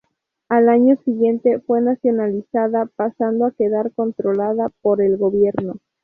Al año siguiente fue nacionalizada, pasando a quedar controlada por el gobierno.